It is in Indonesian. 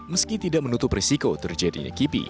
meski tidak menutup risiko terjadinya kipi